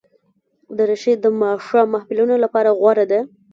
دریشي د ماښام محفلونو لپاره غوره ده.